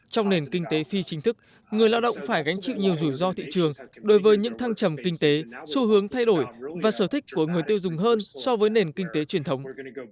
trong nền kinh tế phi chính thức người lao động phải gánh chịu nhiều rủi ro thị trường đối với những thăng trầm kinh tế xu hướng thay đổi và sở thích của người tiêu dùng hơn so với nền kinh tế truyền thống